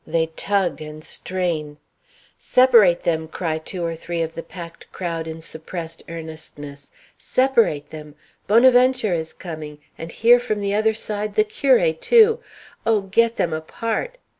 They tug and strain "Separate them!" cry two or three of the packed crowd in suppressed earnestness. "Separate them! Bonaventure is coming! And here from the other side the curé too! Oh, get them apart!"